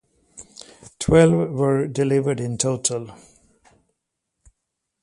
Twelve were delivered in total.